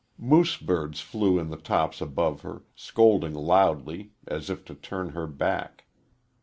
Moose birds flew in the tops above her, scolding loudly, as if to turn her back.